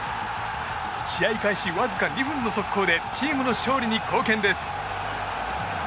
試合開始わずか２分の速攻でチームの勝利に貢献です。